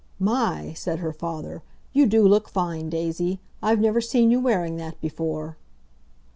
"My!" said her father. "You do look fine, Daisy. I've never seen you wearing that before."